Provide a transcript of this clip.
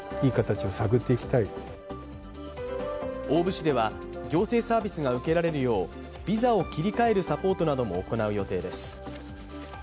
大府市では、行政サービスが受けられるようビザを切り替えるサポートなども行う予定です。